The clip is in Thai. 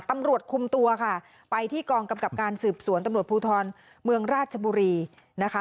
ตำรวจคุมตัวค่ะไปที่กองกำกับการสืบสวนตำรวจภูทรเมืองราชบุรีนะคะ